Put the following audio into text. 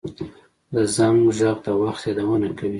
د زنګ غږ د وخت یادونه کوي